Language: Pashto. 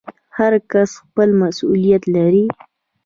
هر کس خپل مسوولیت لري